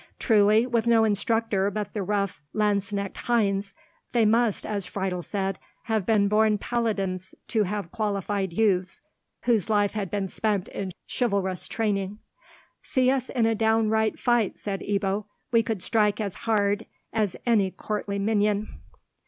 Truly, with no instructor but the rough lanzknecht Heinz, they must, as Friedel said, have been born paladins to have equalled youths whose life had been spent in chivalrous training. "See us in a downright fight," said Ebbo; "we could strike as hard as any courtly minion."